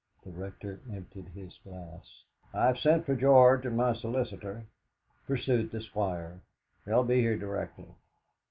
The Rector emptied his glass. "I've sent for George and my solicitor," pursued the Squire; "they'll be here directly."